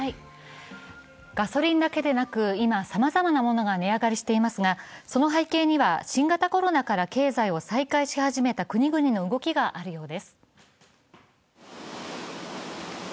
ガソリンだけでなく、今、さまざまなものが値上がりしていますが、その背景には新型コロナから経済を再開し始めた国々の動きがあるようです。